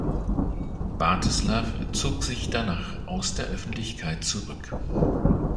Wartislaw zog sich danach aus der Öffentlichkeit zurück.